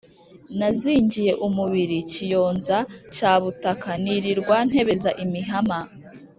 nazingiye umubili kiyonza cya butaka, nilirwa ntebeza imihama,